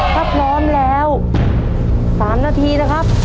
ถ้าพร้อมแล้ว๓นาทีนะครับ